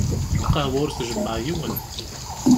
Lqahwa ur tjemmeε yiwen.